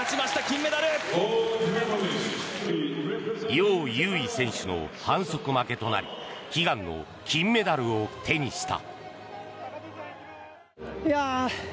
ヨウ・ユウイ選手の反則負けとなり悲願の金メダルを手にした。